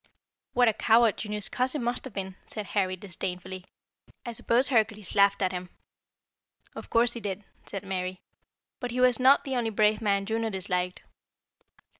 "What a coward Juno's cousin must have been!" said Harry disdainfully. "I suppose Hercules laughed at him." "Of course he did," said Mary. "But he was not the only brave man Juno disliked.